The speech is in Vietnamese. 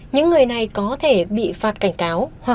những người này có thể bị phạt cảnh cáo